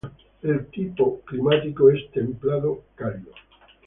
El tipo climático es templado-cálido.